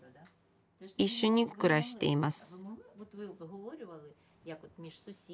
一緒に暮らしています